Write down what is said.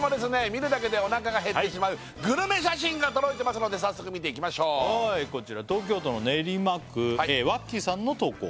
見るだけでお腹が減ってしまうグルメ写真が届いていますので早速見ていきましょうはいこちら東京都の練馬区ワッキーさんの投稿